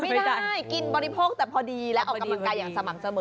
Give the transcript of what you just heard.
ไม่ได้กินบริโภคแต่พอดีและออกกำลังกายอย่างสม่ำเสมอ